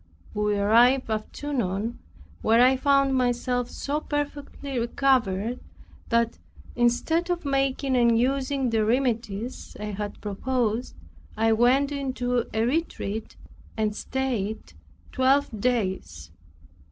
We arrived at Tonon, where I found myself so perfectly recovered, that, instead of making and using the remedies I had proposed, I went into a retreat, and stayed twelve days.